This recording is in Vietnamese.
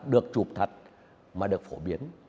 được chụp thật mà được phổ biến